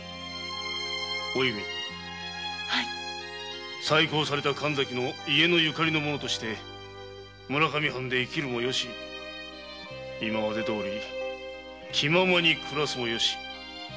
お弓再興された神崎の家のゆかりの者として村上藩で生きるもよし今までどおり気ままに暮らすもよし。